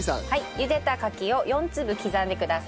茹でたカキを４粒刻んでください。